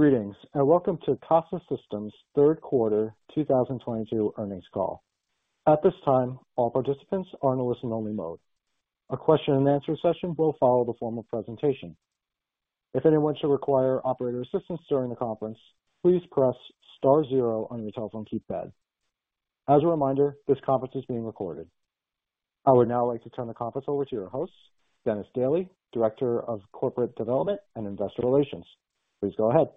Greetings, welcome to Casa Systems third quarter 2022 earnings call. At this time, all participants are in a listen only mode. A question and answer session will follow the formal presentation. If anyone should require operator assistance during the conference, please press star zero on your telephone keypad. As a reminder, this conference is being recorded. I would now like to turn the conference over to your host, Dennis Dailey, Director of Corporate Development and Investor Relations. Please go ahead.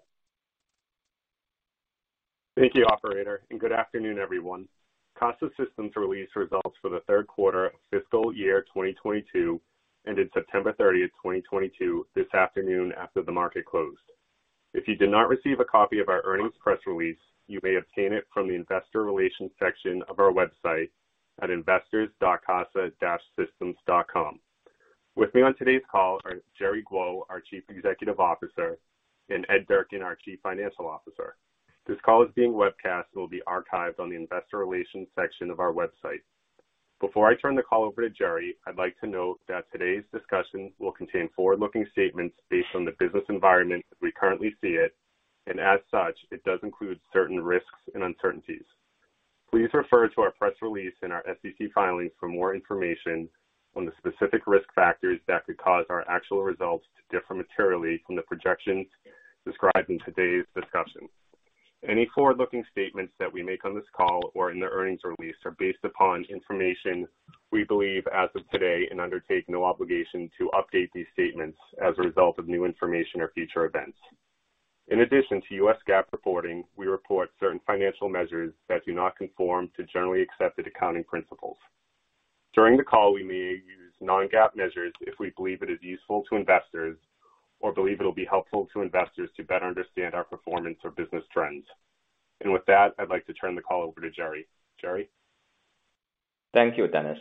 Thank you, operator, and good afternoon, everyone. Casa Systems released results for the third quarter of fiscal year 2022 ended September 30, 2022 this afternoon after the market closed. If you did not receive a copy of our earnings press release, you may obtain it from the investor relations section of our website at investors.casa-systems.com. With me on today's call are Jerry Guo, our Chief Executive Officer, and Ed Durkin, our Chief Financial Officer. This call is being webcast and will be archived on the investor relations section of our website. Before I turn the call over to Jerry, I'd like to note that today's discussion will contain forward-looking statements based on the business environment as we currently see it. As such, it does include certain risks and uncertainties. Please refer to our press release and our SEC filings for more information on the specific risk factors that could cause our actual results to differ materially from the projections described in today's discussion. Any forward-looking statements that we make on this call or in the earnings release are based upon information we believe as of today and undertake no obligation to update these statements as a result of new information or future events. In addition to US GAAP reporting, we report certain financial measures that do not conform to generally accepted accounting principles. During the call, we may use non-GAAP measures if we believe it is useful to investors or believe it'll be helpful to investors to better understand our performance or business trends. With that, I'd like to turn the call over to Jerry. Jerry? Thank you, Dennis.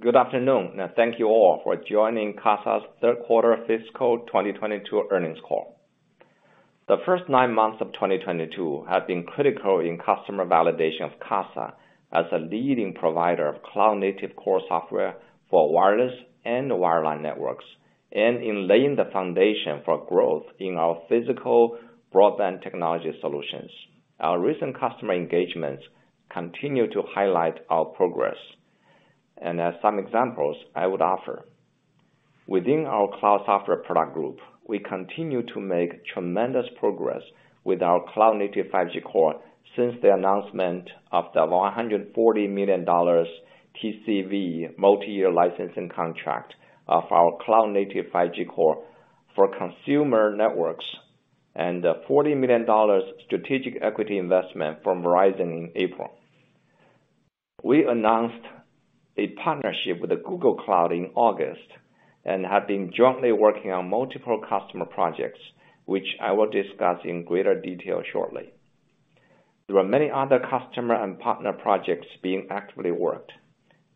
Good afternoon and thank you all for joining Casa's third quarter fiscal 2022 earnings call. The first nine months of 2022 have been critical in customer validation of Casa as a leading provider of cloud-native core software for wireless and wireline networks, and in laying the foundation for growth in our physical broadband technology solutions. Our recent customer engagements continue to highlight our progress. As some examples I would offer, within our cloud software product group, we continue to make tremendous progress with our cloud-native 5G core since the announcement of the $140 million TCV multi-year licensing contract of our cloud-native 5G core for consumer networks and a $40 million strategic equity investment from Verizon in April. We announced a partnership with Google Cloud in August and have been jointly working on multiple customer projects, which I will discuss in greater detail shortly. There are many other customer and partner projects being actively worked,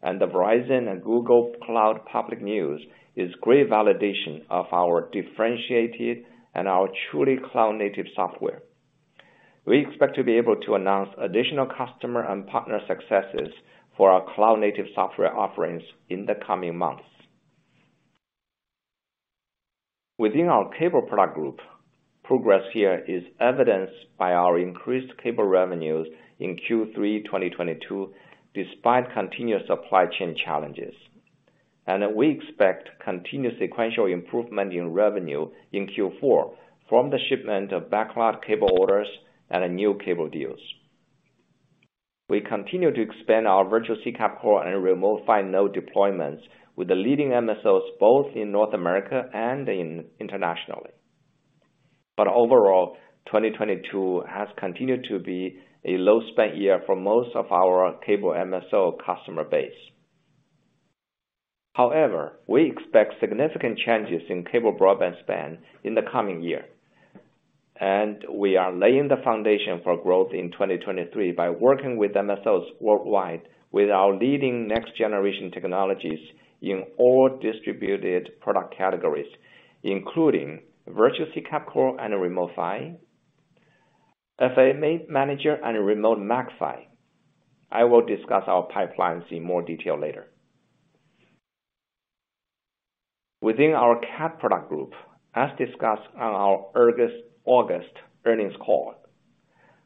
and the Verizon and Google Cloud public news is great validation of our differentiated and our truly cloud-native software. We expect to be able to announce additional customer and partner successes for our cloud-native software offerings in the coming months. Within our cable product group, progress here is evidenced by our increased cable revenues in Q3 2022, despite continuous supply chain challenges. We expect continued sequential improvement in revenue in Q4 from the shipment of backlogged cable orders and new cable deals. We continue to expand our virtual CCAP core and remote PHY node deployments with the leading MSOs, both in North America and internationally. Overall, 2022 has continued to be a low-spend year for most of our cable MSO customer base. However, we expect significant changes in cable broadband spend in the coming year, and we are laying the foundation for growth in 2023 by working with MSOs worldwide with our leading next generation technologies in all distributed product categories, including virtual CCAP core and remote PHY, SIM manager and remote MAC PHY. I will discuss our pipelines in more detail later. Within our CAT product group, as discussed on our August earnings call,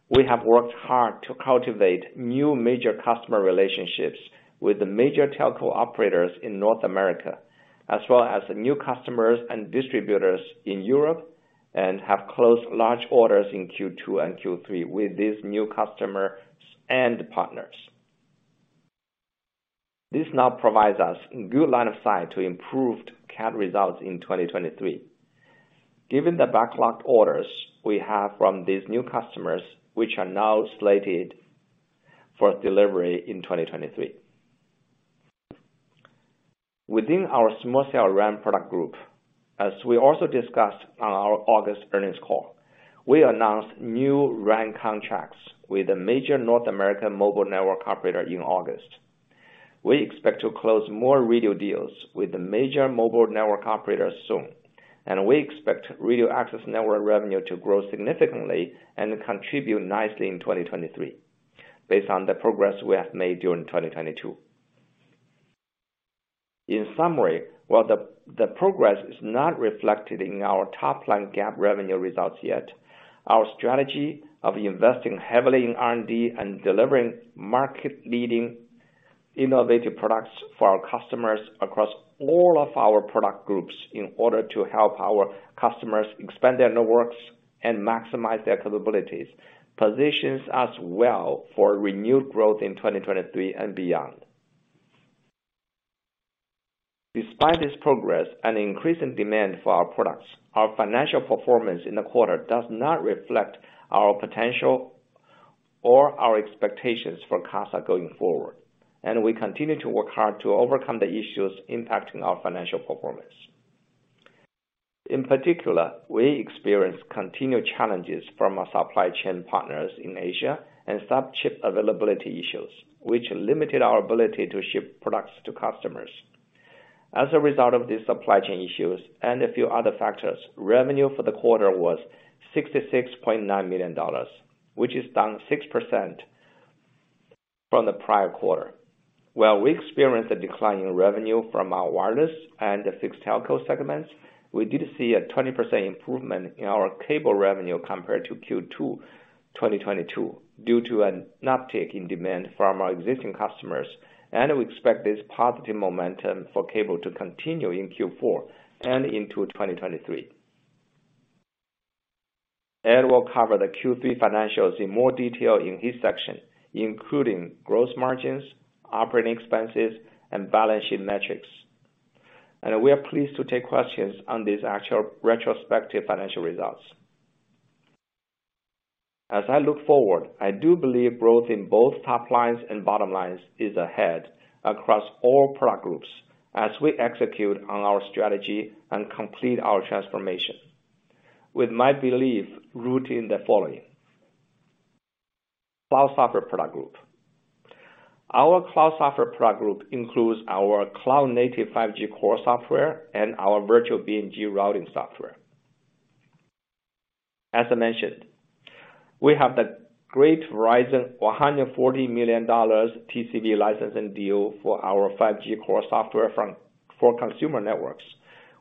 we have worked hard to cultivate new major customer relationships with the major telco operators in North America, as well as new customers and distributors in Europe, and have closed large orders in Q2 and Q3 with these new customers and partners. This now provides us good line of sight to improved CAT results in 2023. Given the backlogged orders we have from these new customers, which are now slated for delivery in 2023. Within our small cell RAN product group, as we also discussed on our August earnings call, we announced new RAN contracts with a major North American mobile network operator in August. We expect to close more radio deals with the major mobile network operators soon, and we expect radio access network revenue to grow significantly and contribute nicely in 2023, based on the progress we have made during 2022. In summary, while the progress is not reflected in our top line GAAP revenue results yet, our strategy of investing heavily in R&D and delivering market-leading innovative products for our customers across all of our product groups in order to help our customers expand their networks and maximize their capabilities, positions us well for renewed growth in 2023 and beyond. Despite this progress and increasing demand for our products, our financial performance in the quarter does not reflect our potential or our expectations for Casa going forward. We continue to work hard to overcome the issues impacting our financial performance. In particular, we experience continued challenges from our supply chain partners in Asia and sub-chip availability issues, which limited our ability to ship products to customers. As a result of these supply chain issues and a few other factors, revenue for the quarter was $66.9 million, which is down 6% from the prior quarter. While we experienced a decline in revenue from our wireless and fixed telco segments, we did see a 20% improvement in our cable revenue compared to Q2 2022 due to an uptick in demand from our existing customers, and we expect this positive momentum for cable to continue in Q4 and into 2023. Ed will cover the Q3 financials in more detail in his section, including gross margins, operating expenses, and balance sheet metrics. We are pleased to take questions on these actual retrospective financial results. As I look forward, I do believe growth in both top lines and bottom lines is ahead across all product groups as we execute on our strategy and complete our transformation. With my belief rooted in the following. Cloud software product group. Our cloud software product group includes our cloud-native 5G core software and our virtual BNG routing software. As I mentioned, we have the great Verizon $140 million TCV licensing deal for our 5G core software for consumer networks.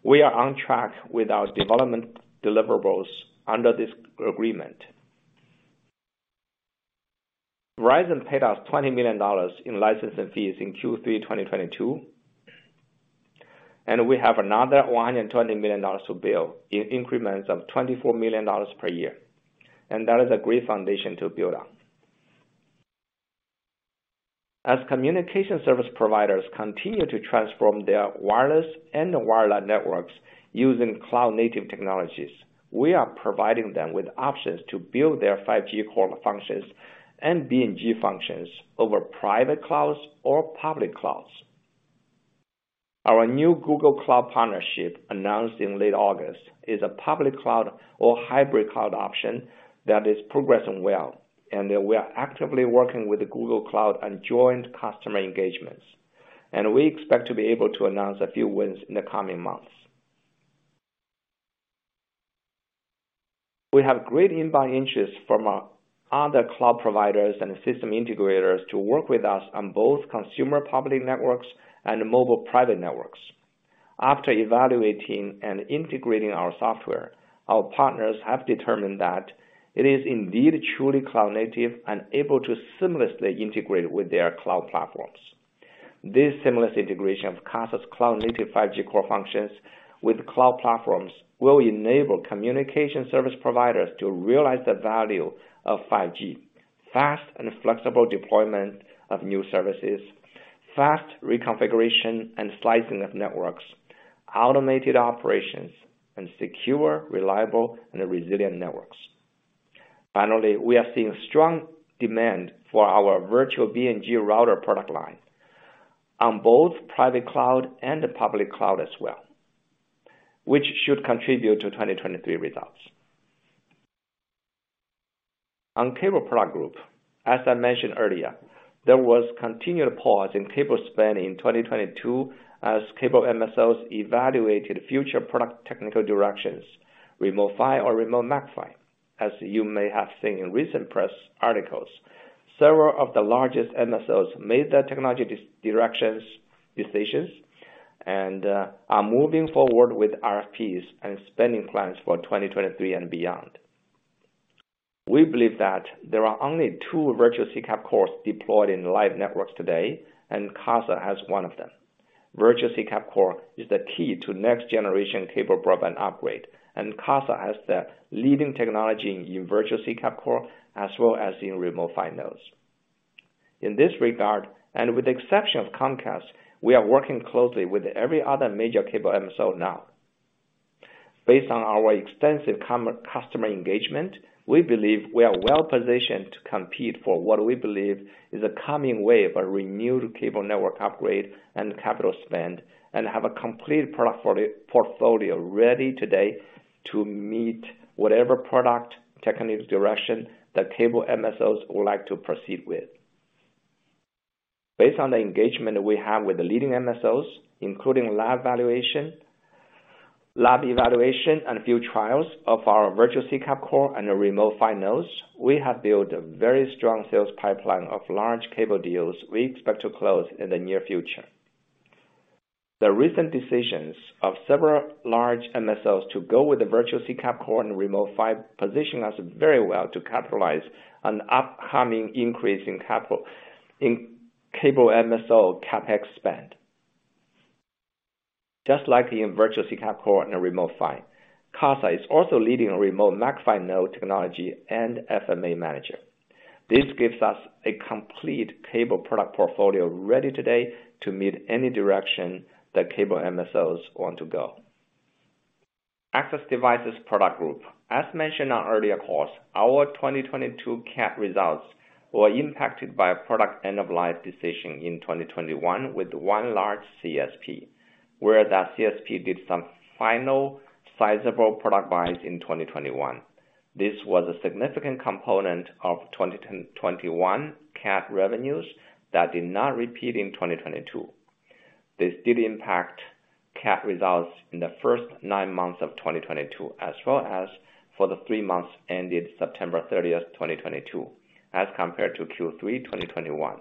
We are on track with our development deliverables under this agreement. Verizon paid us $20 million in Q3 2022. We have another $120 million to bill in increments of $24 million per year. That is a great foundation to build on. As communication service providers continue to transform their wireless and wireline networks using cloud-native technologies, we are providing them with options to build their 5G core functions and BNG functions over private clouds or public clouds. Our new Google Cloud partnership announced in late August is a public cloud or hybrid cloud option that is progressing well, and we are actively working with Google Cloud on joint customer engagements. We expect to be able to announce a few wins in the coming months. We have great inbound interest from our other cloud providers and system integrators to work with us on both consumer public networks and mobile private networks. After evaluating and integrating our software, our partners have determined that it is indeed truly cloud-native and able to seamlessly integrate with their cloud platforms. This seamless integration of Casa's cloud-native 5G Core functions with cloud platforms will enable communication service providers to realize the value of 5G. Fast and flexible deployment of new services. Fast reconfiguration and slicing of networks. Automated operations. Secure, reliable and resilient networks. Finally, we are seeing strong demand for our virtual BNG router product line on both private cloud and the public cloud as well, which should contribute to 2023 results. On cable product group, as I mentioned earlier, there was continued pause in cable spend in 2022 as cable MSOs evaluated future product technical directions, Remote PHY or Remote MAC-PHY. As you may have seen in recent press articles, several of the largest MSOs made their technology direction decisions and are moving forward with RFPs and spending plans for 2023 and beyond. We believe that there are only two virtual CCAP cores deployed in live networks today, and Casa has one of them. Virtual CCAP core is the key to next generation cable broadband upgrade, and Casa has the leading technology in virtual CCAP core as well as in Remote PHY nodes. In this regard, and with the exception of Comcast, we are working closely with every other major cable MSO now. Based on our extensive customer engagement, we believe we are well positioned to compete for what we believe is a coming wave of renewed cable network upgrade and capital spend, and have a complete product portfolio ready today to meet whatever product technical direction that cable MSOs would like to proceed with. Based on the engagement we have with the leading MSOs, including live evaluation lab and field trials of our virtual CCAP core and remote PHY nodes, we have built a very strong sales pipeline of large cable deals we expect to close in the near future. The recent decisions of several large MSOs to go with the virtual CCAP core and remote PHY position us very well to capitalize on the upcoming increase in capital in cable MSO CapEx spend. Just like in virtual CCAP core and remote PHY, Casa is also leading remote MAC-PHY node technology and FMA Controller. This gives us a complete cable product portfolio ready today to meet any direction that cable MSOs want to go. Access devices product group. As mentioned on earlier calls, our 2022 CAT results were impacted by a product end-of-life decision in 2021 with one large CSP, where that CSP did some final sizable product buys in 2021. This was a significant component of 2021 CAT revenues that did not repeat in 2022. This did impact CAT results in the first nine months of 2022 as well as for the three months ended September 30, 2022, as compared to Q3 2021.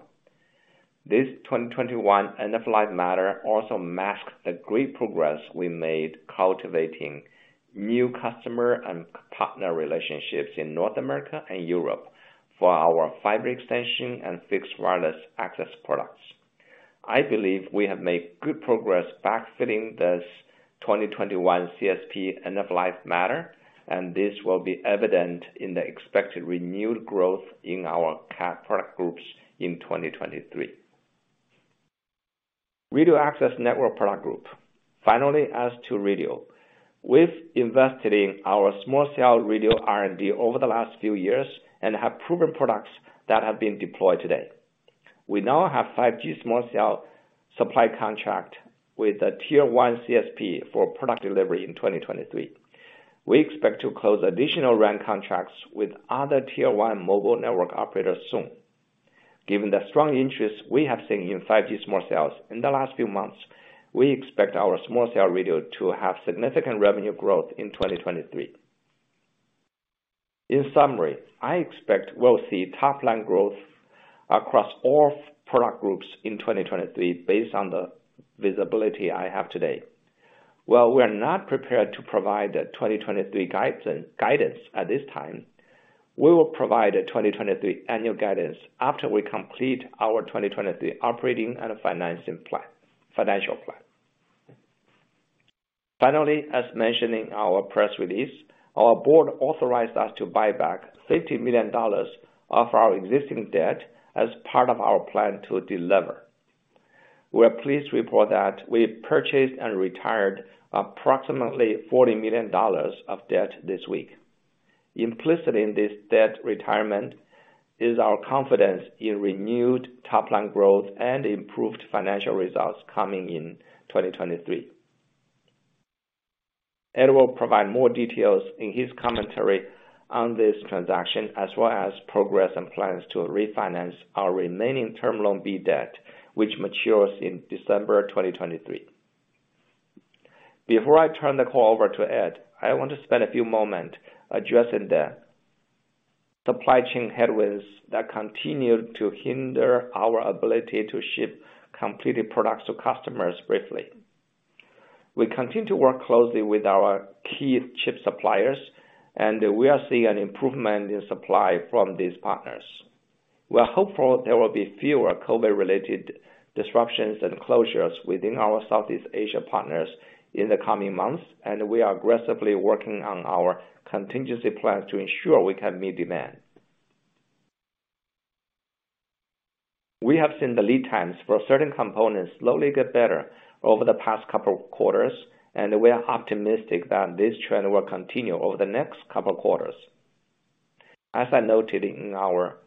This 2021 end-of-life matter also masked the great progress we made cultivating new customer and partner relationships in North America and Europe for our fiber extension and fixed wireless access products. I believe we have made good progress backfilling this 2021 CSP end-of-life matter, and this will be evident in the expected renewed growth in our CAT product groups in 2023. Radio access network product group. Finally, as to radio. We've invested in our small cell radio R&D over the last few years and have proven products that have been deployed today. We now have 5G small cell supply contract with a tier one CSP for product delivery in 2023. We expect to close additional RAN contracts with other tier one mobile network operators soon. Given the strong interest we have seen in 5G small cells in the last few months, we expect our small cell radio to have significant revenue growth in 2023. In summary, I expect we'll see top-line growth across all product groups in 2023 based on the visibility I have today. While we are not prepared to provide the 2023 guidance at this time, we will provide the 2023 annual guidance after we complete our 2023 operating and financial plan. Finally, as mentioned in our press release, our board authorized us to buy back $50 million of our existing debt as part of our plan to delever. We're pleased to report that we purchased and retired approximately $40 million of debt this week. Implicit in this debt retirement is our confidence in renewed top-line growth and improved financial results coming in 2023. Ed will provide more details in his commentary on this transaction, as well as progress and plans to refinance our remaining Term Loan B debt, which matures in December 2023. Before I turn the call over to Ed, I want to spend a few moments addressing the supply chain headwinds that continue to hinder our ability to ship completed products to customers briefly. We continue to work closely with our key chip suppliers, and we are seeing an improvement in supply from these partners. We're hopeful there will be fewer COVID-related disruptions and closures within our Southeast Asia partners in the coming months, and we are aggressively working on our contingency plans to ensure we can meet demand. We have seen the lead times for certain components slowly get better over the past couple of quarters, and we are optimistic that this trend will continue over the next couple of quarters. As I noted in our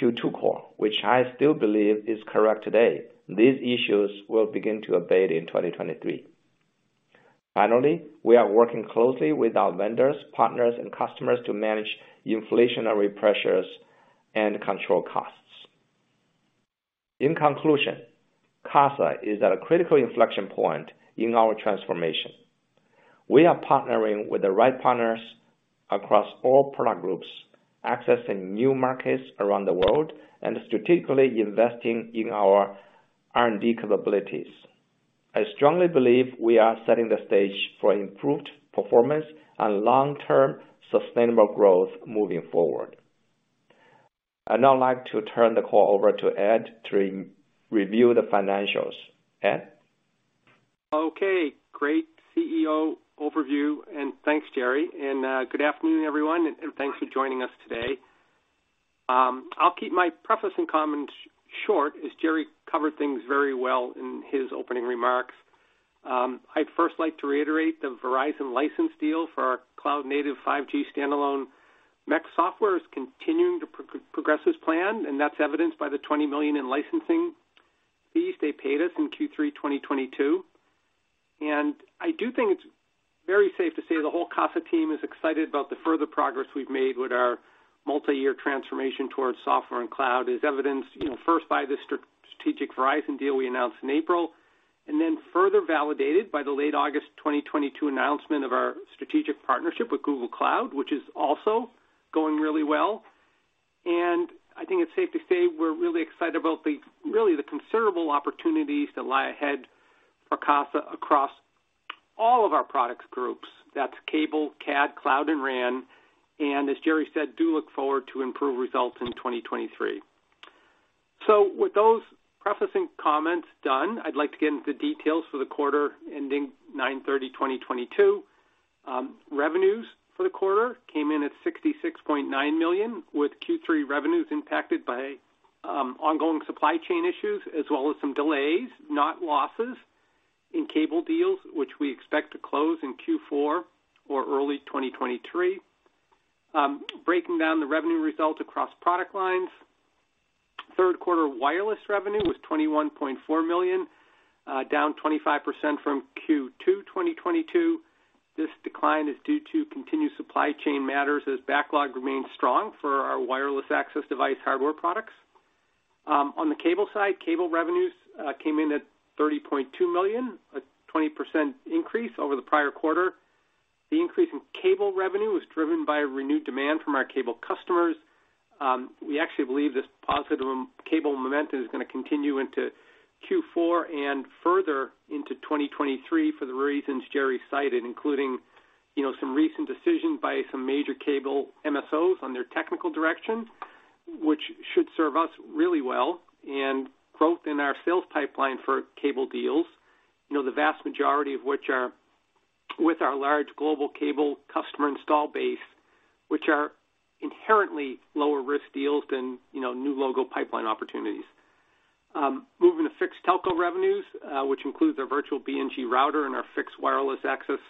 Q2 call, which I still believe is correct today, these issues will begin to abate in 2023. Finally, we are working closely with our vendors, partners, and customers to manage inflationary pressures and control costs. In conclusion, Casa is at a critical inflection point in our transformation. We are partnering with the right partners across all product groups, accessing new markets around the world, and strategically investing in our R&D capabilities. I strongly believe we are setting the stage for improved performance and long-term sustainable growth moving forward. I'd now like to turn the call over to Ed to review the financials. Ed? Okay. Great Chief Executive Officer overview, and thanks, Jerry. Good afternoon, everyone, and thanks for joining us today. I'll keep my preface and comments short, as Jerry covered things very well in his opening remarks. I'd first like to reiterate the Verizon license deal for our cloud-native 5G standalone 5G core software is continuing to progress as planned, and that's evidenced by the $20 million in licensing fees they paid us in Q3 2022. I do think it's very safe to say the whole Casa team is excited about the further progress we've made with our multi-year transformation towards software and cloud is evidenced, you know, first by the strategic Verizon deal we announced in April, and then further validated by the late August 2022 announcement of our strategic partnership with Google Cloud, which is also going really well. I think it's safe to say we're really excited about the really considerable opportunities that lie ahead for Casa across all of our product groups. That's Cable, CAD, Cloud, and RAN. As Jerry said, do look forward to improved results in 2023. With those prefacing comments done, I'd like to get into the details for the quarter ending 9/30/2022. Revenues for the quarter came in at $66.9 million, with Q3 revenues impacted by ongoing supply chain issues as well as some delays, not losses, in cable deals, which we expect to close in Q4 or early 2023. Breaking down the revenue results across product lines. Third quarter wireless revenue was $21.4 million, down 25% from Q2 2022. This decline is due to continued supply chain matters as backlog remains strong for our wireless access device hardware products. On the cable side, cable revenues came in at $30.2 million, a 20% increase over the prior quarter. The increase in cable revenue was driven by renewed demand from our cable customers. We actually believe this positive cable momentum is gonna continue into Q4 and further into 2023 for the reasons Jerry cited, including, you know, some recent decisions by some major cable MSOs on their technical direction, which should serve us really well, and growth in our sales pipeline for cable deals, you know, the vast majority of which are with our large global cable customer install base, which are inherently lower risk deals than, you know, new logo pipeline opportunities. Moving to fixed telco revenues, which includes our virtual BNG router and our fixed wireless access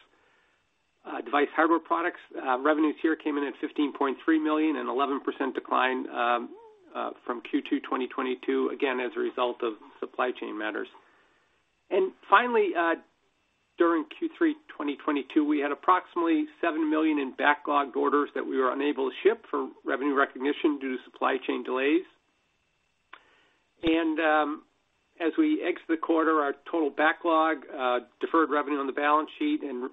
device hardware products. Revenues here came in at $15.3 million, an 11% decline from Q2 2022, again, as a result of supply chain matters. As we exit the quarter, our total backlog, deferred revenue on the balance sheet and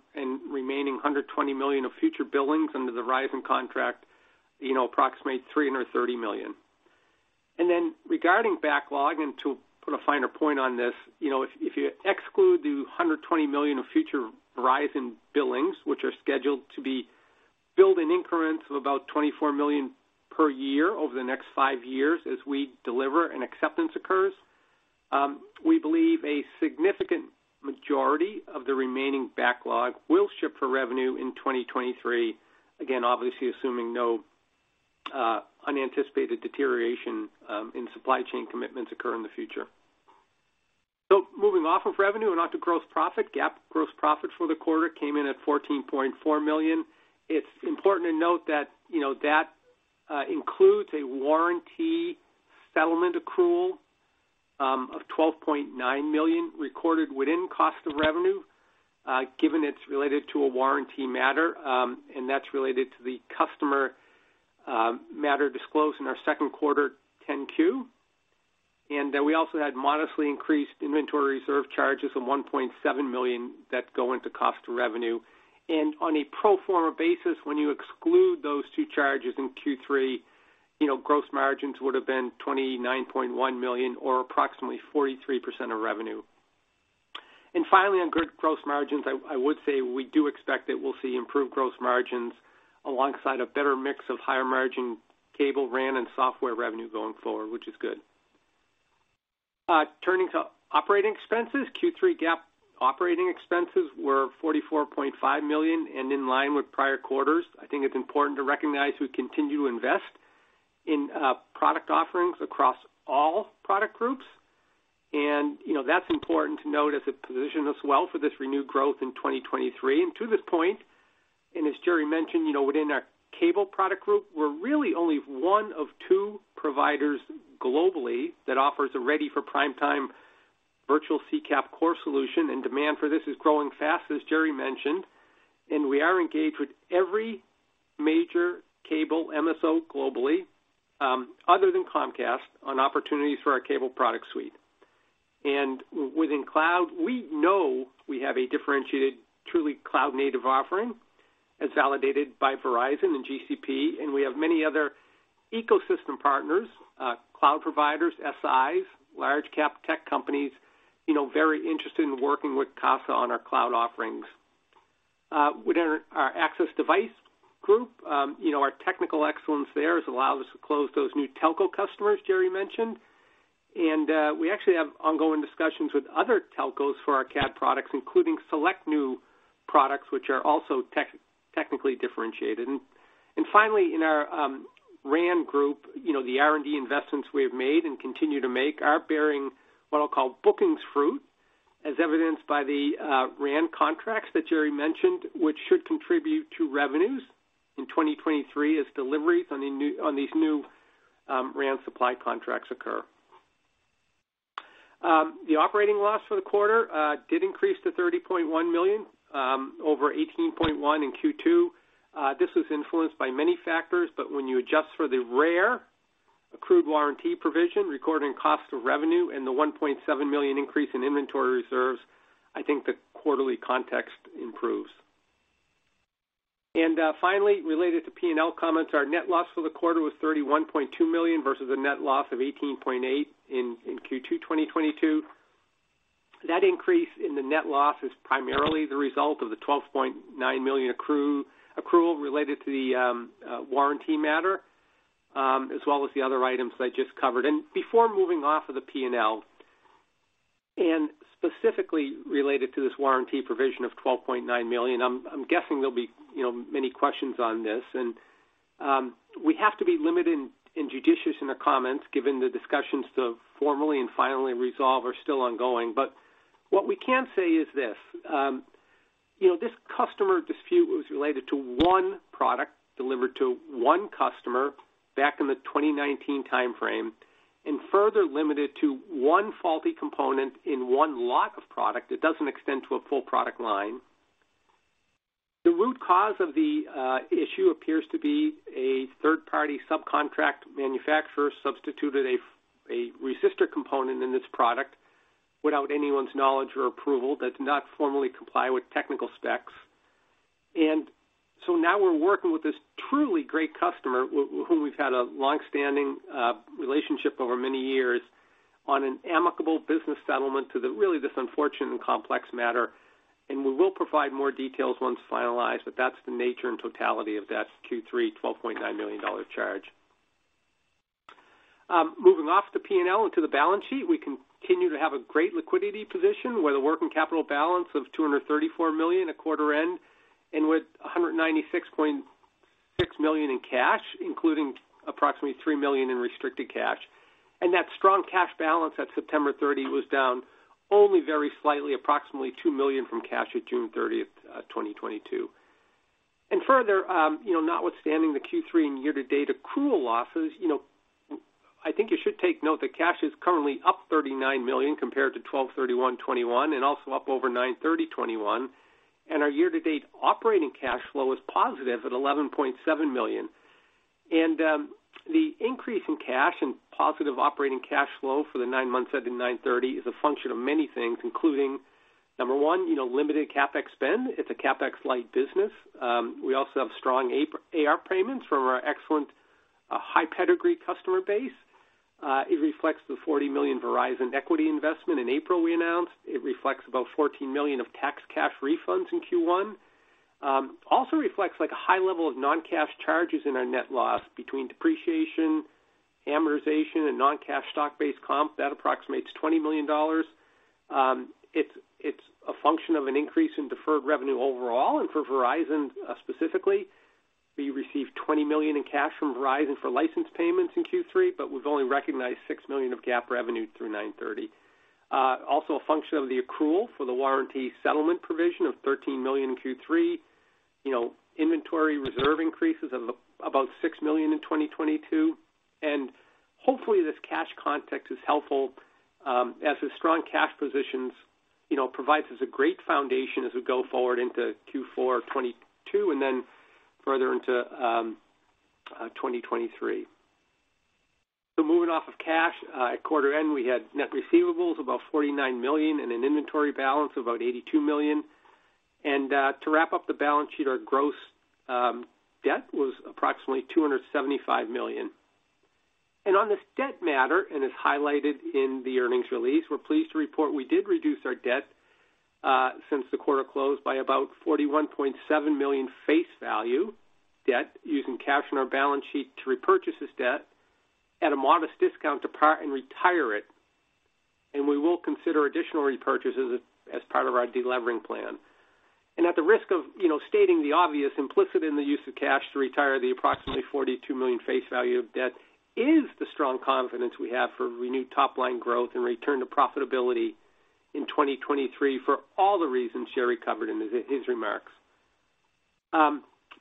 remaining $120 million of future billings under the Verizon contract, you know, approximate $330 million. Then regarding backlog, and to put a finer point on this, you know, if you exclude the $120 million of future Verizon billings, which are scheduled to be billed in increments of about $24 million per year over the next five years as we deliver and acceptance occurs, we believe a significant majority of the remaining backlog will ship for revenue in 2023. Again, obviously assuming no unanticipated deterioration in supply chain commitments occur in the future. Moving off of revenue and onto gross profit. GAAP gross profit for the quarter came in at $14.4 million. It's important to note that, you know, includes a warranty settlement accrual of $12.9 million recorded within cost of revenue, given it's related to a warranty matter, and that's related to the customer matter disclosed in our second quarter 10-Q. We also had modestly increased inventory reserve charges of $1.7 million that go into cost of revenue. On a pro forma basis, when you exclude those two charges in Q3, you know, gross margins would have been $29.1 million or approximately 43% of revenue. Finally, on gross margins, I would say we do expect that we'll see improved gross margins alongside a better mix of higher margin cable, RAN, and software revenue going forward, which is good. Turning to operating expenses. Q3 GAAP operating expenses were $44.5 million and in line with prior quarters. I think it's important to recognize we continue to invest in product offerings across all product groups. You know, that's important to note as it positions us well for this renewed growth in 2023. To this point, and as Jerry mentioned, you know, within our cable product group, we're really only one of two providers globally that offers a ready for prime time virtual CCAP core solution. Demand for this is growing fast, as Jerry mentioned, and we are engaged with every major cable MSO globally, other than Comcast, on opportunities for our cable product suite. Within cloud, we know we have a differentiated, truly cloud-native offering as validated by Verizon and GCP, and we have many other ecosystem partners, cloud providers, SIs, large cap tech companies, you know, very interested in working with Casa on our cloud offerings. Within our access device group, you know, our technical excellence there has allowed us to close those new telco customers Jerry mentioned. We actually have ongoing discussions with other telcos for our CAD products, including select new products, which are also technically differentiated. Finally, in our RAN group, you know, the R&D investments we have made and continue to make are bearing what I'll call bookings fruit, as evidenced by the RAN contracts that Jerry mentioned, which should contribute to revenues in 2023 as deliveries on these new RAN supply contracts occur. The operating loss for the quarter did increase to $30.1 million over $18.1 in Q2. This was influenced by many factors, but when you adjust for the rare accrued warranty provision, recording cost of revenue, and the $1.7 million increase in inventory reserves, I think the quarterly context improves. Finally, related to P&L comments, our net loss for the quarter was $31.2 million versus a net loss of $18.8 in Q2 2022. That increase in the net loss is primarily the result of the $12.9 million accrual related to the warranty matter, as well as the other items that I just covered. Before moving off of the P&L, and specifically related to this warranty provision of $12.9 million, I'm guessing there'll be, you know, many questions on this. We have to be limited and judicious in our comments given the discussions to formally and finally resolve are still ongoing. What we can say is this, you know, this customer dispute was related to one product delivered to one customer back in the 2019 timeframe, and further limited to one faulty component in one lot of product. It doesn't extend to a full product line. The root cause of the issue appears to be a third-party subcontract manufacturer substituted a resistor component in this product without anyone's knowledge or approval that did not formally comply with technical specs. Now we're working with this truly great customer who we've had a long-standing relationship over many years on an amicable business settlement to this really unfortunate and complex matter. We will provide more details once finalized, but that's the nature and totality of that Q3 $12.9 million charge. Moving off the P&L into the balance sheet, we continue to have a great liquidity position with a working capital balance of $234 million at quarter end, and with $196.6 million in cash, including approximately $3 million in restricted cash. That strong cash balance at September 30 was down only very slightly, approximately $2 million from cash at June 30, 2022. Further, you know notwithstanding the Q3 and year-to-date accrual losses, you know, I think you should take note that cash is currently up $39 million compared to December 31, 2021, and also up over September 30, 2021. Our year-to-date operating cash flow is positive at $11.7 million. The increase in cash and positive operating cash flow for the nine months ending September 30 is a function of many things, including, number one, you know, limited CapEx spend. It's a CapEx-light business. We also have strong AP/AR payments from our excellent, high-pedigree customer base. It reflects the $40 million Verizon equity investment in April we announced. It reflects about $14 million of tax cash refunds in Q1. Also reflects, like, a high level of non-cash charges in our net loss between depreciation, amortization, and non-cash stock-based comp. That approximates $20 million. It's a function of an increase in deferred revenue overall. For Verizon specifically, we received $20 million in cash from Verizon for license payments in Q3, but we've only recognized $6 million of GAAP revenue through 9/30. Also a function of the accrual for the warranty settlement provision of $13 million in Q3. You know, inventory reserve increases of about $6 million in 2022. Hopefully, this cash context is helpful, as the strong cash positions, you know, provides us a great foundation as we go forward into Q4 2022, and then further into 2023. Moving off of cash, at quarter end, we had net receivables about $49 million and an inventory balance of about $82 million. To wrap up the balance sheet, our gross debt was approximately $275 million. On this debt matter, and as highlighted in the earnings release we're pleased to report we did reduce our debt, since the quarter closed by about $41.7 million face value debt using cash in our balance sheet to repurchase this debt at a modest discount to par and retire it. We will consider additional repurchases as part of our de-levering plan. At the risk of, you know stating the obvious implicit in the use of cash to retire the approximately $42 million face value of debt is the strong confidence we have for renewed top-line growth and return to profitability in 2023 for all the reasons Jerry covered in his remarks.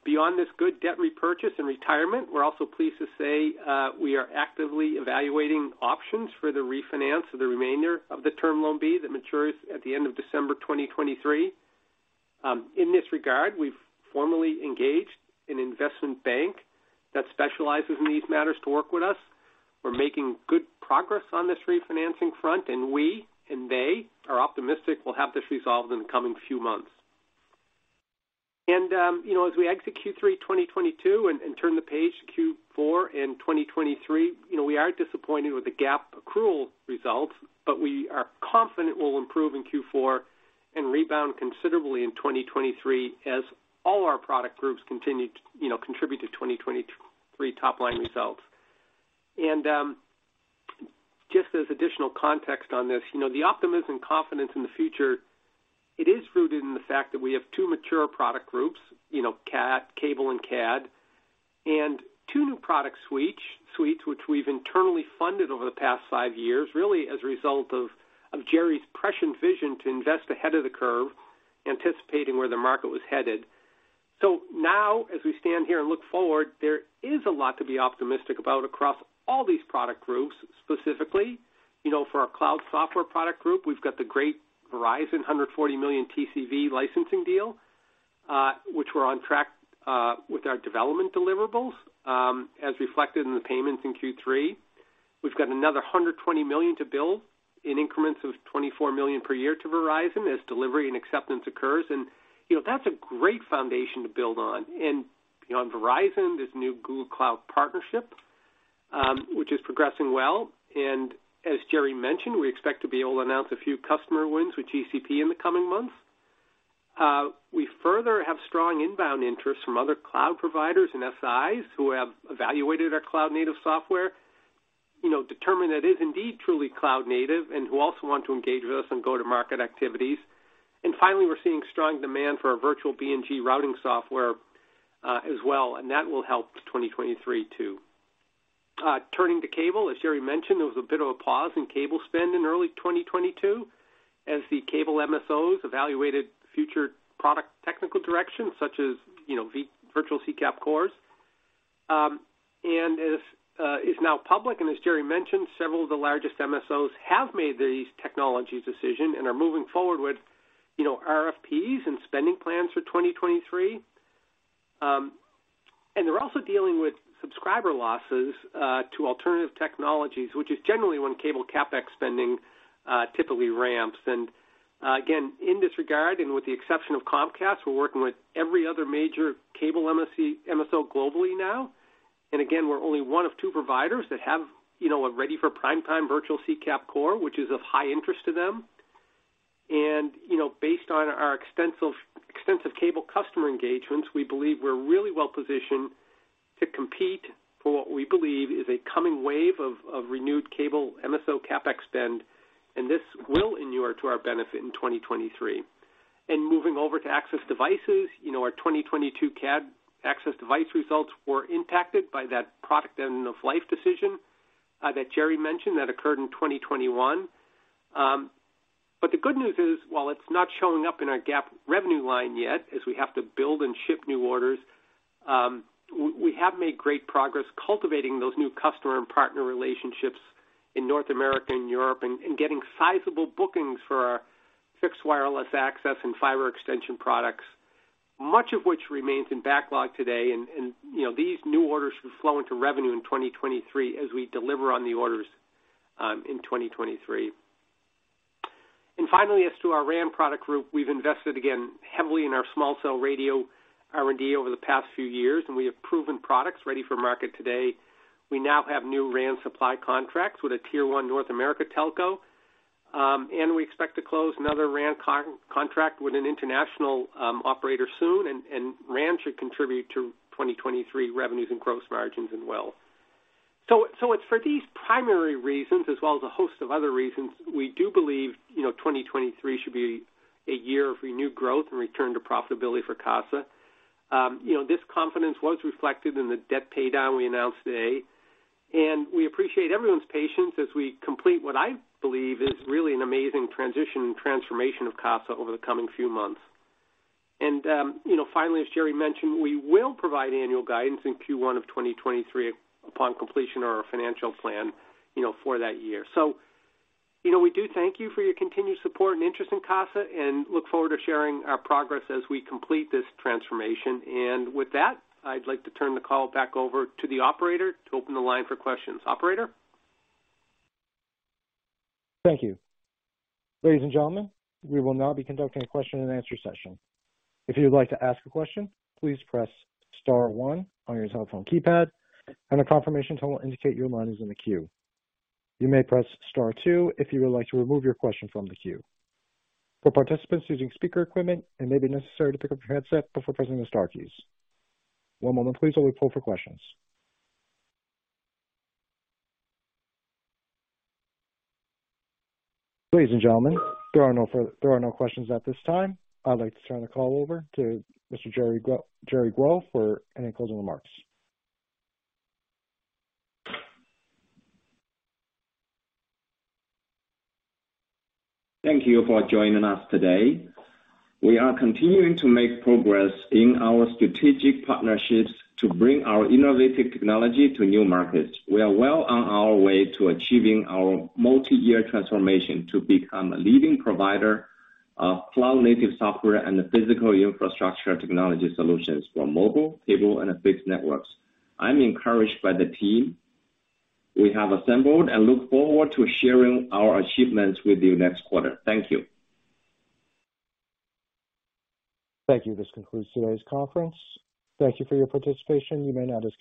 Beyond this good debt repurchase and retirement, we're also pleased to say we are actively evaluating options for the refinance of the remainder of the Term Loan B that matures at the end of December 2023. In this regard, we've formally engaged an investment bank that specializes in these matters to work with us. We're making good progress on this refinancing front, and we and they are optimistic we'll have this resolved in the coming few months. As we exit Q3 2022 and turn the page to Q4 in 2023, you know, we are disappointed with the GAAP actual results, but we are confident we'll improve in Q4 and rebound considerably in 2023 as all our product groups continue to, you know, contribute to 2023 top-line results. Just as additional context on this, you know, the optimism and confidence in the future, it is rooted in the fact that we have two mature product groups, you know, CAT, Cable and CAD, and two new product suites which we've internally funded over the past five years, really as a result of Jerry's prescient vision to invest ahead of the curve, anticipating where the market was headed. Now as we stand here and look forward, there is a lot to be optimistic about across all these product groups. Specifically, you know, for our cloud software product group, we've got the great Verizon $140 million TCV licensing deal, which we're on track with our development deliverables, as reflected in the payments in Q3. We've got another $120 million to bill in increments of $24 million per year to Verizon as delivery and acceptance occurs. You know, that's a great foundation to build on. You know, on Verizon, this new Google Cloud partnership, which is progressing well. As Jerry mentioned, we expect to be able to announce a few customer wins with GCP in the coming months. We further have strong inbound interest from other cloud providers and SIs who have evaluated our cloud-native software, you know, determined that is indeed truly cloud-native, and who also want to engage with us in go-to-market activities. Finally, we're seeing strong demand for our virtual BNG routing software, as well, and that will help 2023 too. Turning to cable, as Jerry mentioned, there was a bit of a pause in cable spend in early 2022 as the cable MSOs evaluated future product technical directions such as, you know, virtual CCAP cores. As is now public, and as Jerry mentioned, several of the largest MSOs have made these technology decision and are moving forward with you know, RFPs and spending plans for 2023. They're also dealing with subscriber losses to alternative technologies, which is generally when cable CapEx spending typically ramps. Again, in this regard, and with the exception of Comcast, we're working with every other major cable MSO globally now. Again, we're only one of two providers that have, you know a ready for prime time virtual CCAP core, which is of high interest to them. You know, based on our extensive cable customer engagements, we believe we're really well positioned to compete for what we believe is a coming wave of renewed cable MSO CapEx spend, and this will inure to our benefit in 2023. Moving over to access devices. You know, our 2022 CAD access device results were impacted by that product end of life decision that Jerry mentioned that occurred in 2021. The good news is, while it's not showing up in our GAAP revenue line yet, as we have to build and ship new orders, we have made great progress cultivating those new customer and partner relationships in North America and Europe and getting sizable bookings for our fixed wireless access and fiber extension products. Much of which remains in backlog today and, you know, these new orders should flow into revenue in 2023 as we deliver on the orders in 2023. Finally, as to our RAN product group, we've invested again heavily in our small cell radio R&D over the past few years, and we have proven products ready for market today. We now have new RAN supply contracts with a tier one North America telco. We expect to close another RAN contract with an international operator soon. RAN should contribute to 2023 revenues and gross margins as well. It's for these primary reasons as well as a host of other reasons we do believe, you know, 2023 should be a year of renewed growth and return to profitability for Casa. You know, this confidence was reflected in the debt pay down we announced today. We appreciate everyone's patience as we complete what I believe is really an amazing transition and transformation of Casa over the coming few months. You know, finally, as Jerry mentioned, we will provide annual guidance in Q1 of 2023 upon completion of our financial plan, you know, for that year. You know, we do thank you for your continued support and interest in Casa and look forward to sharing our progress as we complete this transformation. With that, I'd like to turn the call back over to the operator to open the line for questions. Operator? Thank you. Ladies and gentlemen, we will now be conducting a question and answer session. If you would like to ask a question, please press star one on your telephone keypad, and a confirmation tone will indicate your line is in the queue. You may press star two if you would like to remove your question from the queue. For participants using speaker equipment, it may be necessary to pick up your headset before pressing the star keys. One moment please while we pull for questions. Ladies and gentlemen, there are no questions at this time. I'd like to turn the call over to Mr. Jerry Guo for any closing remarks. Thank you for joining us today. We are continuing to make progress in our strategic partnerships to bring our innovative technology to new markets. We are well on our way to achieving our multi-year transformation to become a leading provider of cloud-native software and the physical infrastructure technology solutions for mobile, cable and fixed networks. I'm encouraged by the team we have assembled and look forward to sharing our achievements with you next quarter. Thank you. Thank you. This concludes today's conference. Thank you for your participation. You may now disconnect.